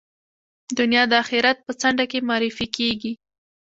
دنیا د آخرت په څنډه کې معرفي کېږي.